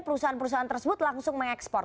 perusahaan perusahaan tersebut langsung mengekspor